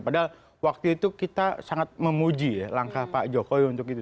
padahal waktu itu kita sangat memuji langkah pak jokowi untuk itu